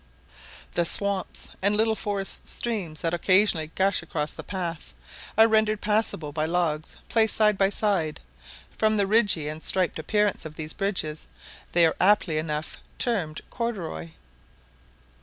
The swamps and little forest streams, that occasionally gush across the path, are rendered passable by logs placed side by side. From the ridgy and striped appearance of these bridges they are aptly enough termed corduroy.